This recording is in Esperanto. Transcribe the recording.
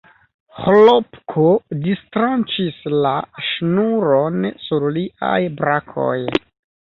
Ĥlopko distranĉis la ŝnuron sur liaj brakoj.